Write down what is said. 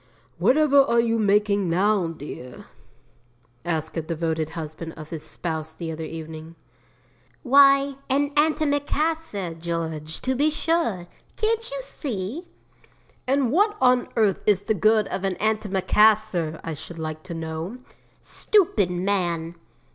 'Whatever are you making now, dear?' asked a devoted husband of his spouse the other evening. 'Why, an antimacassar, George, to be sure; can't you see?' 'And what on earth is the good of an antimacassar, I should like to know?' 'Stupid man!'